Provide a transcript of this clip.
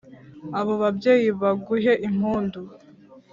abo babyeyi baguhe impundu